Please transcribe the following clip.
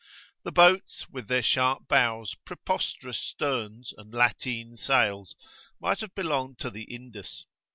The boats, with their sharp bows, preposterous sterns, and lateen sails, might have belonged to the Indus.